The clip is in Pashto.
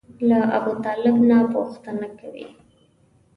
له ابوطالب نه پوښتنه کوي.